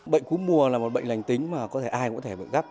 bệnh cúm mùa là một bệnh lành tính mà ai cũng có thể gặp